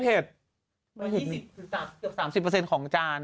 เช็ดแรงไปนี่